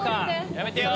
やめてよ！